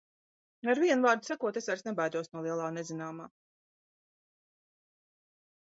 Ar vienu vārdu sakot, es vairs nebaidos no lielā nezināmā.